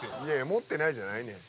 持ってないじゃないねん